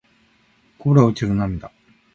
こぼれ落ちる涙